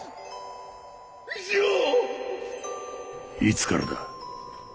いつからだ？